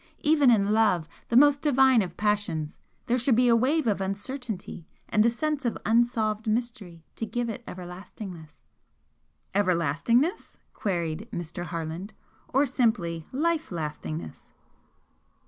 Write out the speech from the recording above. Even in love, the most divine of passions, there should be a wave of uncertainty and a sense of unsolved mystery to give it everlastingness." "Everlastingness?" queried Mr. Harland "Or simply life lastingness?"